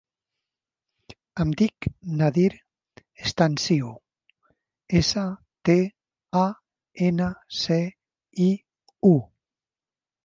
Em dic Nadir Stanciu: essa, te, a, ena, ce, i, u.